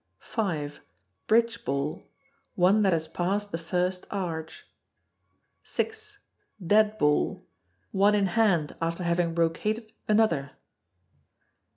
v. Bridge Ball. One that has passed the first arch. vi. Dead Ball. One in hand after having roqueted another.